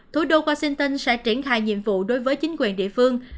thủ đô washington sẽ triển khai nhiệm vụ đối với chính quyền địa phương